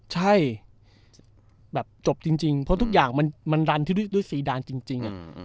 ใช่แบบจบจริงจริงเพราะทุกอย่างมันมันรันที่ด้วยด้วยซีดานจริงจริงอ่ะอืม